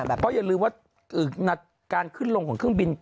เพราะอย่าลืมว่าการขึ้นลงของเครื่องบิน